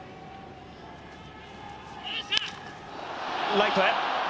ライトへ。